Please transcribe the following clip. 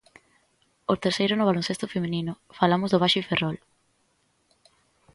O terceiro no baloncesto feminino, falamos do Baxi Ferrol.